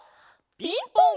「ピンポン」！